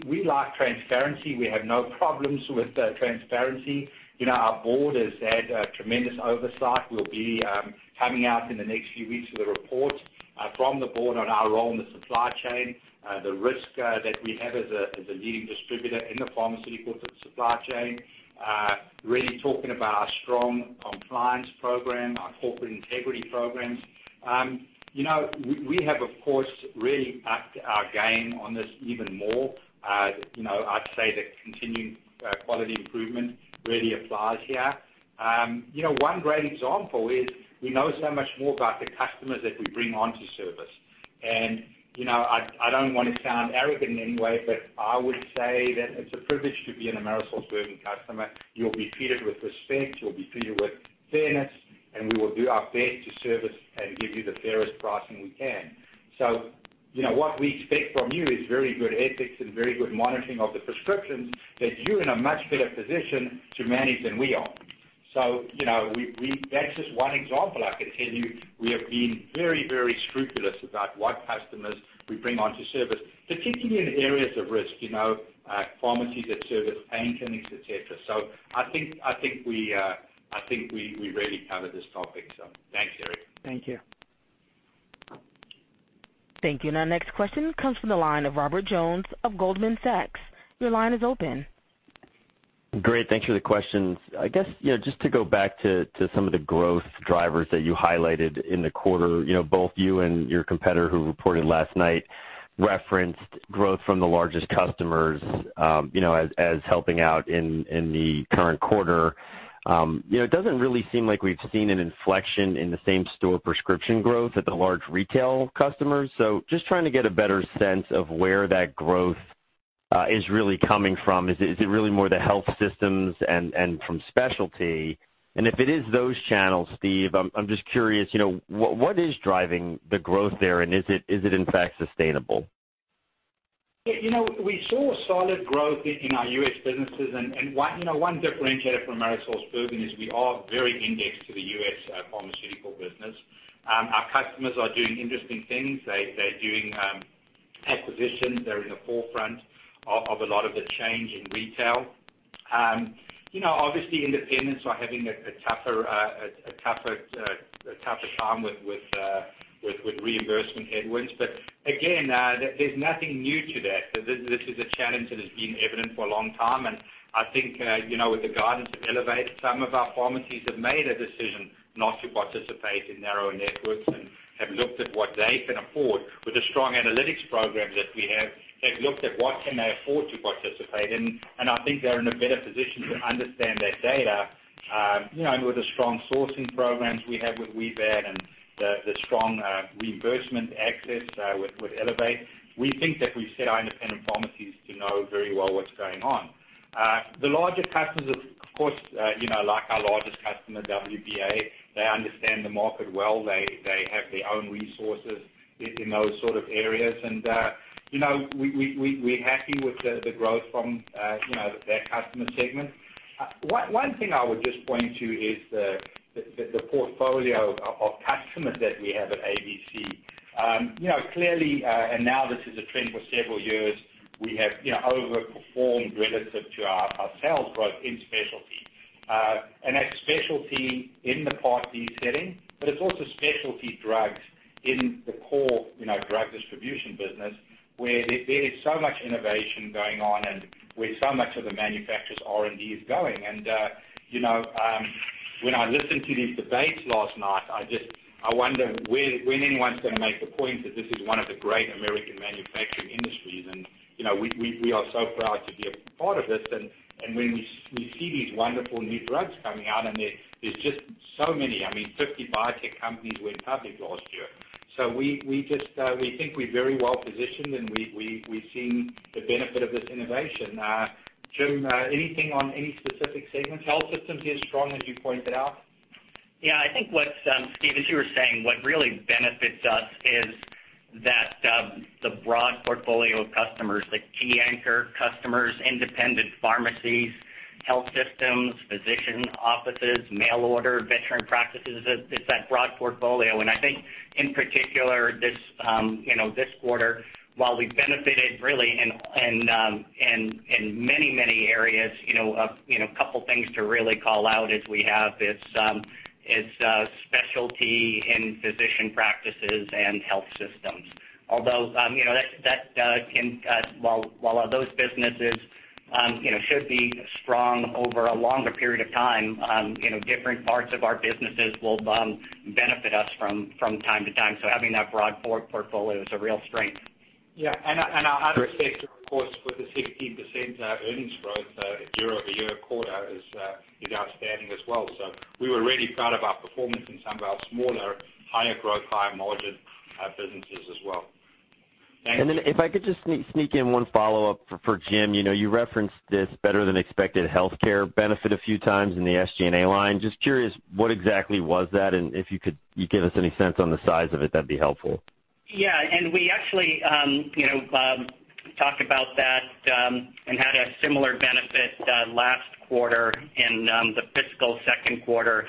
we like transparency. We have no problems with transparency. Our board has had tremendous oversight. We'll be coming out in the next few weeks with a report from the board on our role in the supply chain, the risk that we have as a leading distributor in the pharmaceutical supply chain, really talking about our strong compliance program, our corporate integrity programs. We have, of course, really upped our game on this even more. I'd say the continuing quality improvement really applies here. One great example is we know so much more about the customers that we bring onto service. I don't want to sound arrogant in any way, but I would say that it's a privilege to be an AmerisourceBergen customer. You'll be treated with respect, you'll be treated with fairness, and we will do our best to service and give you the fairest pricing we can. What we expect from you is very good ethics and very good monitoring of the prescriptions that you're in a much better position to manage than we are. That's just one example. I can tell you, we have been very scrupulous about what customers we bring onto service, particularly in areas of risk, pharmacies that service pain clinics, et cetera. I think we really covered this topic, so thanks, Eric. Thank you. Thank you. Our next question comes from the line of Robert Jones of Goldman Sachs. Your line is open. Great. Thanks for the questions. I guess, just to go back to some of the growth drivers that you highlighted in the quarter. Both you and your competitor who reported last night referenced growth from the largest customers, as helping out in the current quarter. It doesn't really seem like we've seen an inflection in the same-store prescription growth at the large retail customers. Just trying to get a better sense of where that growth is really coming from. Is it really more the health systems and from specialty? If it is those channels, Steve, I'm just curious, what is driving the growth there, and is it in fact sustainable? We saw solid growth in our U.S. businesses, and one differentiator for AmerisourceBergen is we are very indexed to the U.S. pharmaceutical business. Our customers are doing interesting things. They're doing acquisitions. They're in the forefront of a lot of the change in retail. Obviously, independents are having a tougher time with reimbursement headwinds. Again, there's nothing new to that. This is a challenge that has been evident for a long time, and I think, with the guidance of Elevate, some of our pharmacies have made a decision not to participate in narrower networks and have looked at what they can afford. With the strong analytics programs that we have, they've looked at what can they afford to participate in, and I think they're in a better position to understand that data. With the strong sourcing programs we have with WBAD and the strong reimbursement access with Elevate, we think that we've set our independent pharmacies to know very well what's going on. The larger customers, of course, like our largest customer, WBA, they understand the market well. They have their own resources in those sort of areas. We're happy with the growth from that customer segment. One thing I would just point to is the portfolio of customers that we have at ABC. Clearly, now this is a trend for several years, we have overperformed relative to our sales growth in specialty. That's specialty in the Part D setting, but it's also specialty drugs in the core, drug distribution business, where there is so much innovation going on and where so much of the manufacturer's R&D is going. When I listened to these debates last night, I wonder when anyone's going to make the point that this is one of the great American manufacturing industries. We are so proud to be a part of this. When we see these wonderful new drugs coming out, there's just so many. I mean, 50 biotech companies went public last year. We think we're very well-positioned, and we've seen the benefit of this innovation. Jim, anything on any specific segments? Health systems is strong, as you pointed out. Yeah. Steve, as you were saying, what really benefits us is that the broad portfolio of customers, the key anchor customers, independent pharmacies, health systems, physician offices, mail order, veteran practices, it's that broad portfolio. I think, in particular, this quarter, while we benefited really in many areas, a couple things to really call out is we have its specialty in physician practices and health systems. Although, while those businesses should be strong over a longer period of time, different parts of our businesses will benefit us from time to time. Having that broad portfolio is a real strength. Yeah. Our other sector, of course, with the 16% earnings growth year-over-year quarter is outstanding as well. We were really proud of our performance in some of our smaller, higher growth, higher margin businesses as well. Thank you. If I could just sneak in one follow-up for Jim. You referenced this better than expected healthcare benefit a few times in the SG&A line. Just curious, what exactly was that? If you could give us any sense on the size of it, that'd be helpful. Yeah. We actually talked about that, and had a similar benefit last quarter in the fiscal second quarter.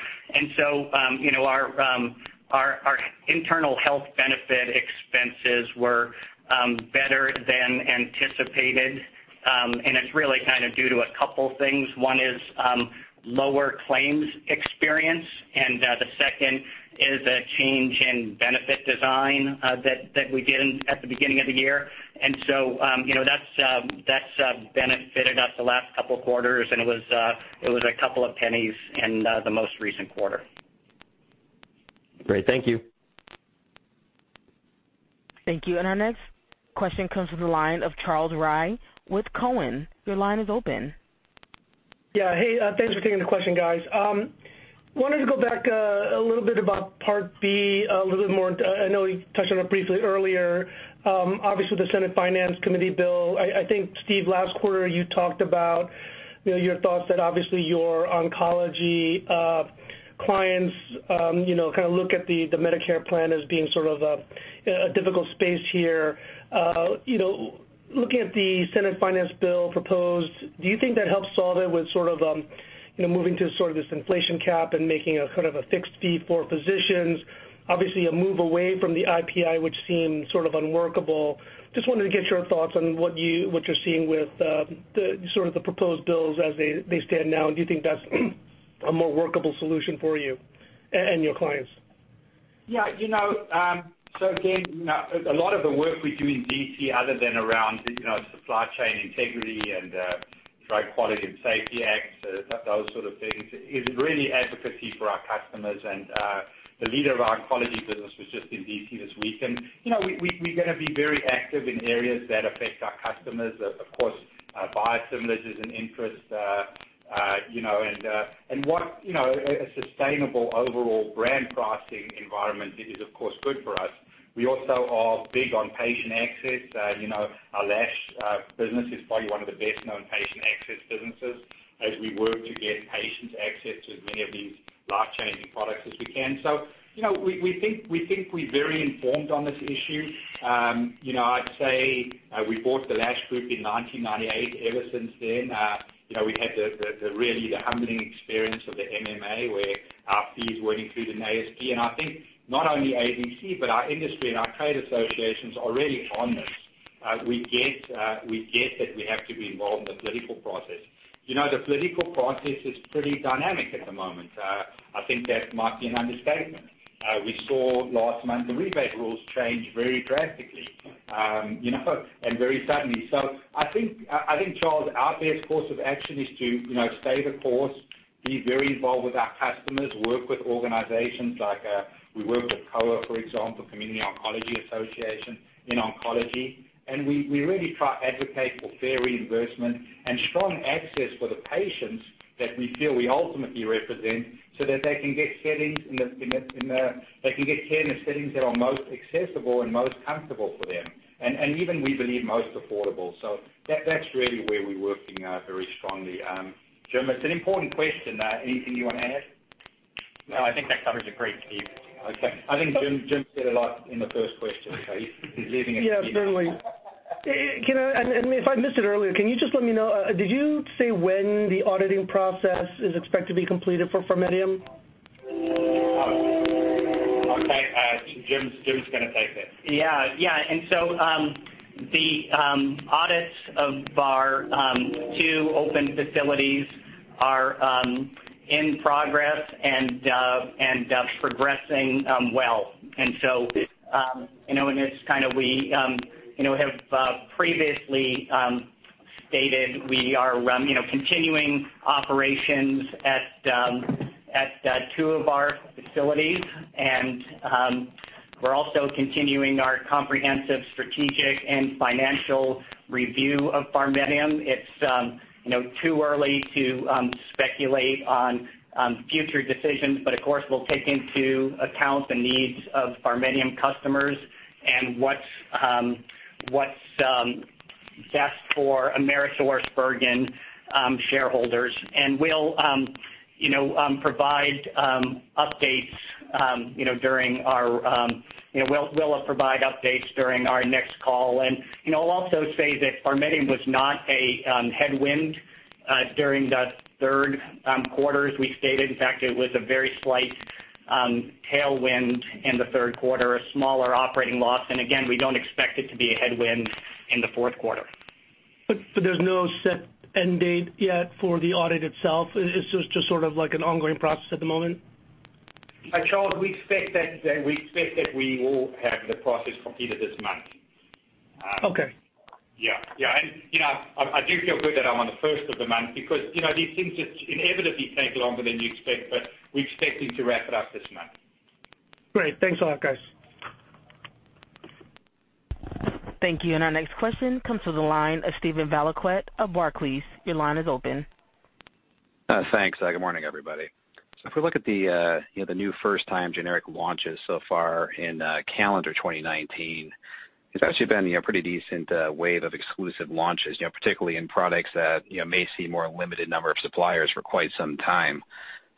Our internal health benefit expenses were better than anticipated. It's really due to a couple things. One is lower claims experience, and the second is a change in benefit design that we did at the beginning of the year. That's benefited us the last couple of quarters, and it was a couple of pennies in the most recent quarter. Great. Thank you. Thank you. Our next question comes from the line of Charles Rhyee with Cowen. Your line is open. Yeah. Hey, thanks for taking the question, guys. Wanted to go back a little bit about Part B a little bit more. I know you touched on it briefly earlier. Obviously, the Senate Finance Committee bill, I think, Steve, last quarter, you talked about your thoughts that obviously your oncology clients look at the Medicare plan as being sort of a difficult space here. Looking at the Senate Finance bill proposed, do you think that helps solve it with moving to this inflation cap and making a fixed fee for physicians? Obviously, a move away from the IPI, which seemed unworkable. Just wanted to get your thoughts on what you're seeing with the proposed bills as they stand now, and do you think that's a more workable solution for you and your clients? Yeah. Again, a lot of the work we do in D.C., other than around supply chain integrity and Drug Quality and Security Act, those sort of things, is really advocacy for our customers. The leader of our oncology business was just in D.C. this week. We're going to be very active in areas that affect our customers. Of course, biosimilars is an interest, a sustainable overall brand pricing environment is, of course, good for us. We also are big on patient access. Our Lash Group is probably one of the best-known patient access businesses as we work to get patients access to as many of these life-changing products as we can. We think we're very informed on this issue. I'd say we bought the Lash Group in 1998. Ever since then, we've had the really humbling experience of the MMA, where our fees weren't included in ASP. I think not only ABC, but our industry and our trade associations are really on this. We get that we have to be involved in the political process. The political process is pretty dynamic at the moment. I think that might be an understatement. We saw last month the rebate rules change very drastically and very suddenly. I think, Charles, our best course of action is to stay the course, be very involved with our customers, work with organizations like we work with COA, for example, Community Oncology Alliance in oncology, and we really advocate for fair reimbursement and strong access for the patients that we feel we ultimately represent, so that they can get care in the settings that are most accessible and most comfortable for them. Even, we believe, most affordable. That's really where we're working very strongly. Jim, it's an important question. Anything you want to add? No, I think that covers it great, Steve. I think Jim said a lot in the first question, so he's leaving it to me. Yeah, certainly. If I missed it earlier, can you just let me know, did you say when the auditing process is expected to be completed for PharMEDium? Jim's going to take this. Yeah. The audits of our two open facilities are in progress and progressing well. We have previously stated we are continuing operations at two of our facilities, and we're also continuing our comprehensive strategic and financial review of PharMEDium. It's too early to speculate on future decisions, but of course, we'll take into account the needs of PharMEDium customers and what's best for AmerisourceBergen shareholders. We'll provide updates during our next call. I'll also say that PharMEDium was not a headwind during the third quarter, as we stated. In fact, it was a very slight tailwind in the third quarter, a smaller operating loss. Again, we don't expect it to be a headwind in the fourth quarter. There's no set end date yet for the audit itself. Is this just sort of like an ongoing process at the moment? Charles, we expect that we will have the process completed this month. Okay. Yeah. I do feel good that I'm on the first of the month because these things just inevitably take longer than you expect, but we're expecting to wrap it up this month. Great. Thanks a lot, guys. Thank you. Our next question comes from the line of Steven Valiquette of Barclays. Your line is open. Thanks. Good morning, everybody. If we look at the new first-time generic launches so far in calendar 2019, it's actually been a pretty decent wave of exclusive launches, particularly in products that may see a more limited number of suppliers for quite some time.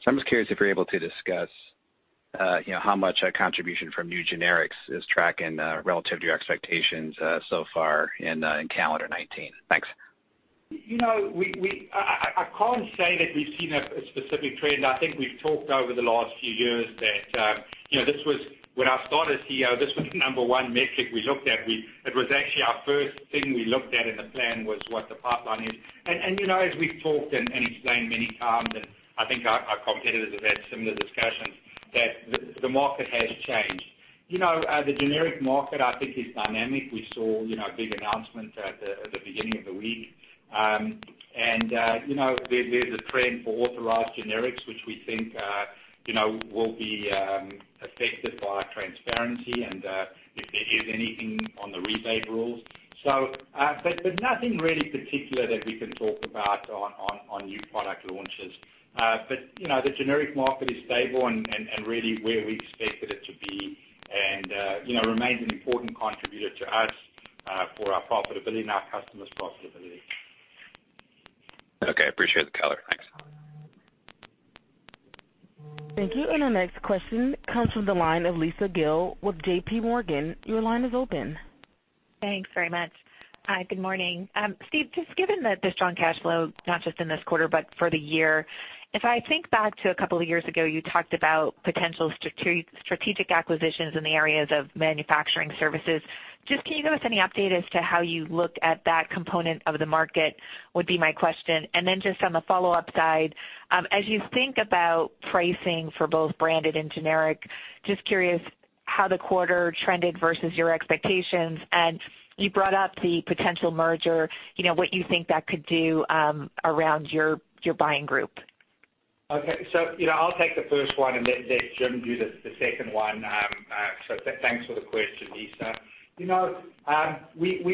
I'm just curious if you're able to discuss how much contribution from new generics is tracking relative to your expectations so far in calendar 2019. Thanks. I can't say that we've seen a specific trend. I think we've talked over the last few years that, when I started as CEO, this was the number one metric we looked at. It was actually our first thing we looked at in the plan, was what the pipeline is. As we've talked and explained many times, and I think our competitors have had similar discussions, that the market has changed. The generic market, I think, is dynamic. We saw big announcements at the beginning of the week. There's a trend for authorized generics, which we think will be affected by transparency and if there is anything on the rebate rules. Nothing really particular that we can talk about on new product launches. The generic market is stable and really where we expected it to be and remains an important contributor to us for our profitability and our customers' profitability. Okay. Appreciate the color. Thanks. Thank you. Our next question comes from the line of Lisa Gill with JPMorgan. Your line is open. Thanks very much. Hi, good morning. Steve, just given the strong cash flow, not just in this quarter but for the year, if I think back to a couple of years ago, you talked about potential strategic acquisitions in the areas of manufacturing services. Just can you give us any update as to how you look at that component of the market, would be my question. Just on the follow-up side, as you think about pricing for both branded and generic, just curious how the quarter trended versus your expectations, and you brought up the potential merger, what you think that could do around your buying group. Okay. I'll take the first one and let Jim do the second one. Thanks for the question, Lisa. We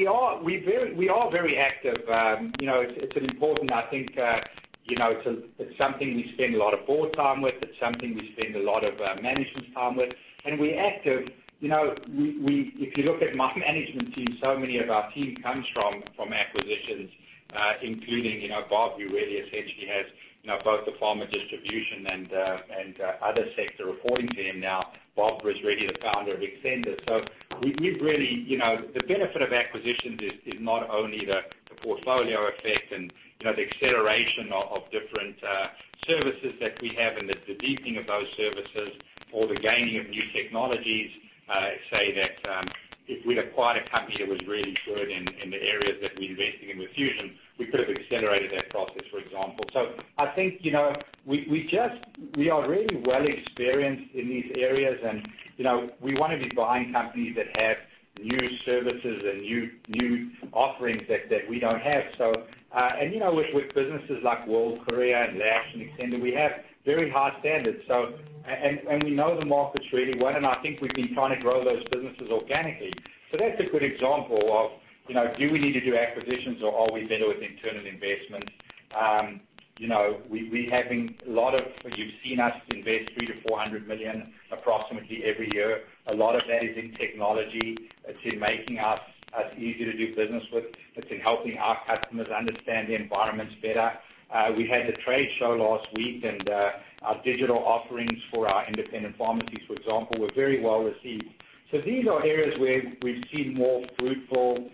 are very active. It's an important, I think, it's something we spend a lot of board time with. It's something we spend a lot of management time with, and we're active. If you look at my management team, so many of our team comes from acquisitions, including Bob, who really essentially has both the pharma distribution and other sector reporting to him now. Bob was really the founder of Xcenda. The benefit of acquisitions is not only the portfolio effect and the acceleration of different services that we have and the deepening of those services or the gaining of new technologies. Say that if we'd acquired a company that was really good in the areas that we're investing in with Fusion, we could have accelerated that process, for example. I think we are really well experienced in these areas and we want to be buying companies that have new services and new offerings that we don't have. With businesses like World Courier, and Lash and Xcenda, we have very high standards. We know the markets really well, and I think we've been trying to grow those businesses organically. That's a good example of do we need to do acquisitions or are we better with internal investment? You've seen us invest $300 million-$400 million approximately every year. A lot of that is in technology. It's in making us easy to do business with. It's in helping our customers understand the environments better. We had a trade show last week, and our digital offerings for our independent pharmacies, for example, were very well-received. These are areas where we've seen more fruitful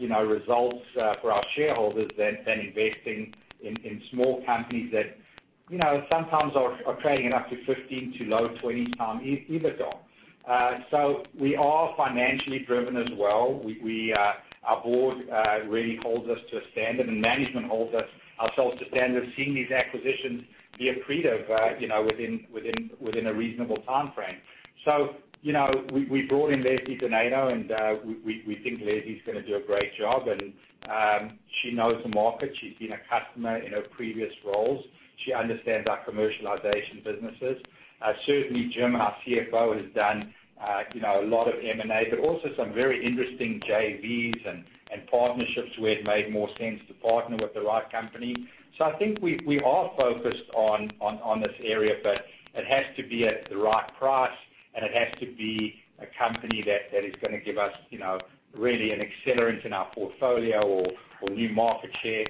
results for our shareholders than investing in small companies that sometimes are trading at up to 15 to low 20x EBITDA. We are financially driven as well. Our board really holds us to a standard, and management holds ourselves to standards, seeing these acquisitions be accretive within a reasonable timeframe. We brought in Leslie Donato, and we think Leslie's going to do a great job, and she knows the market. She's been a customer in her previous roles. She understands our commercialization businesses. Certainly, Jim, our CFO, has done a lot of M&A, but also some very interesting JVs and partnerships where it made more sense to partner with the right company. I think we are focused on this area, but it has to be at the right price, and it has to be a company that is going to give us really an accelerant in our portfolio or new market share.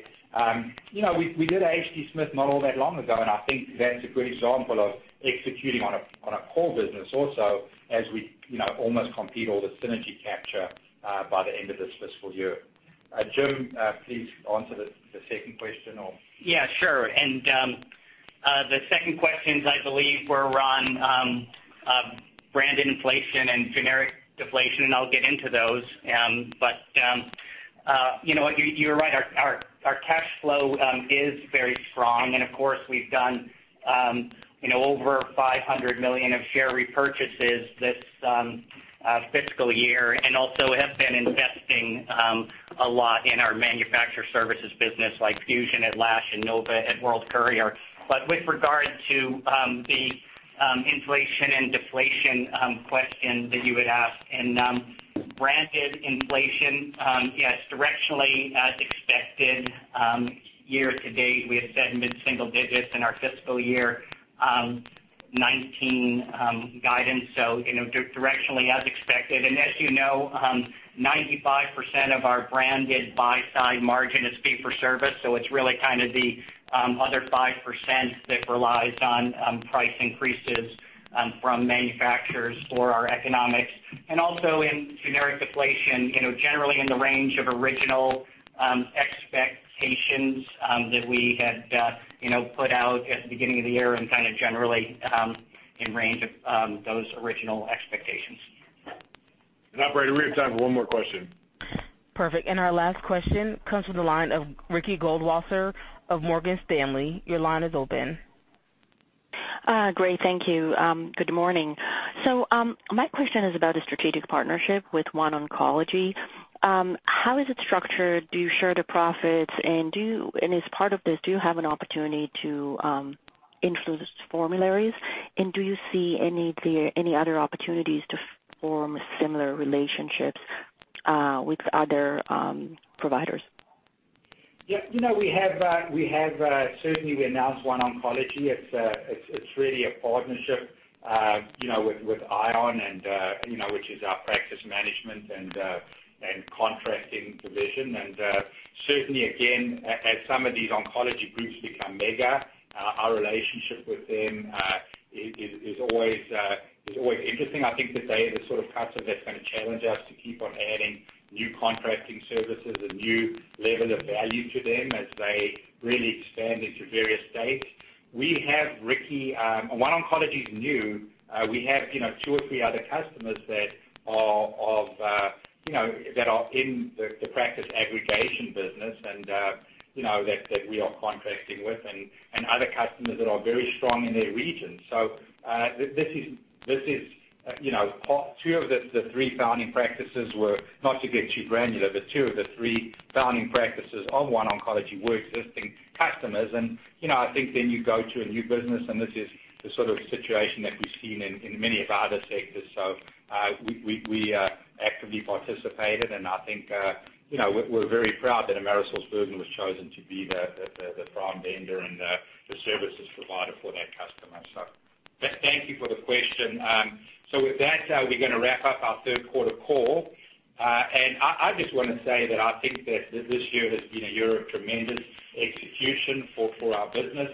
We did H.D. Smith not all that long ago, and I think that's a good example of executing on a core business also, as we almost complete all the synergy capture by the end of this fiscal year. Jim, please answer the second question. Yeah, sure. The second questions, I believe, were on branded inflation and generic deflation, and I'll get into those. You're right, our cash flow is very strong, and of course, we've done over $500 million of share repurchases this fiscal year and also have been investing a lot in our manufacturer services business, like Fusion at Lash and Nova at World Courier. With regard to the inflation and deflation question that you had asked, and branded inflation, yes, directionally as expected. Year to date, we have said mid-single digits in our FY 2019 guidance, directionally as expected. As you know, 95% of our branded buy-side margin is fee-for-service, it's really kind of the other 5% that relies on price increases from manufacturers for our economics. Also in generic deflation, generally in the range of original expectations that we had put out at the beginning of the year and kind of generally in range of those original expectations. Operator, we have time for one more question. Perfect. Our last question comes from the line of Ricky Goldwasser of Morgan Stanley. Your line is open. Great. Thank you. Good morning. My question is about a strategic partnership with OneOncology. How is it structured? Do you share the profits? As part of this, do you have an opportunity to influence formularies? Do you see any other opportunities to form similar relationships with other providers? Yeah, we have. Certainly, we announced OneOncology. It's really a partnership with ION Solutions, which is our practice management and contracting division. Certainly, again, as some of these oncology groups become mega, our relationship with them is always interesting. I think that they are the sort of customer that's going to challenge us to keep on adding new contracting services and new level of value to them as they really expand into various states. We have, Ricky, OneOncology is new. We have two or three other customers that are in the practice aggregation business, that we are contracting with, and other customers that are very strong in their region. Two of the three founding practices were, not to get too granular, but two of the three founding practices of OneOncology were existing customers. I think then you go to a new business, and this is the sort of situation that we've seen in many of our other sectors. We actively participated, and I think we're very proud that AmerisourceBergen was chosen to be the prime vendor and the services provider for that customer. Thank you for the question. With that, we're going to wrap up our third quarter call. I just want to say that I think that this year has been a year of tremendous execution for our business,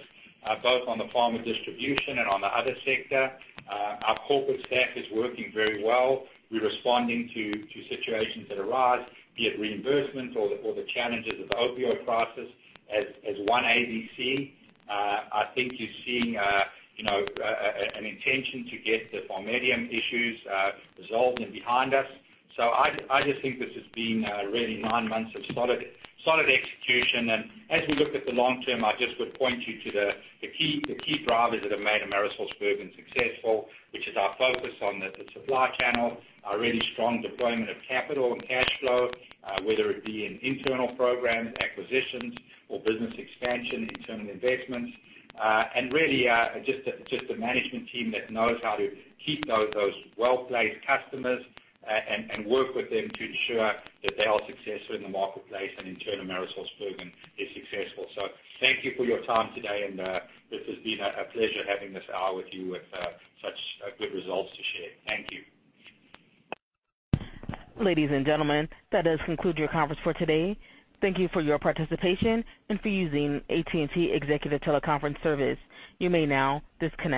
both on the Pharma Distribution and on the other sector. Our corporate stack is working very well. We're responding to situations that arise, be it reimbursement or the challenges of the opioid crisis as One ABC. I think you're seeing an intention to get the Volmeda issues resolved and behind us. I just think this has been really nine months of solid execution. As we look at the long term, I just would point you to the key drivers that have made AmerisourceBergen successful, which is our focus on the supply channel, our really strong deployment of capital and cash flow, whether it be in internal programs, acquisitions or business expansion, internal investments, and really, just the management team that knows how to keep those well-placed customers and work with them to ensure that they are successful in the marketplace and in turn, AmerisourceBergen is successful. Thank you for your time today, and this has been a pleasure having this hour with you with such good results to share. Thank you. Ladies and gentlemen, that does conclude your conference for today. Thank you for your participation and for using AT&T executive teleconference service. You may now disconnect.